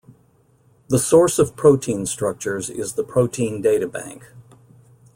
The source of protein structures is the Protein Data Bank.